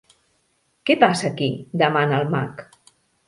Què passa aquí? —demana el mag.